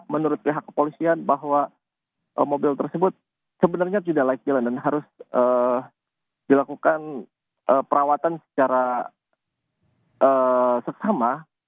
menurut pihak kepolisian bahwa mobil tersebut sebenarnya tidak layak jalan dan harus dilakukan perawatan secara seksama